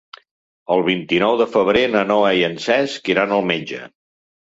El vint-i-nou de febrer na Noa i en Cesc iran al metge.